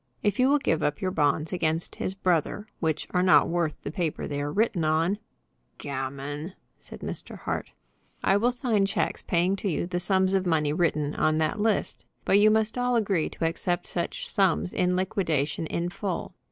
"If you will give up your bonds against his brother, which are not worth the paper they are written on " "Gammon!" said Mr. Hart. "I will sign checks paying to you the sums of money written on that list. But you must all agree to accept such sums in liquidation in full.